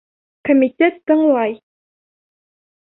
Комитет тыңлай!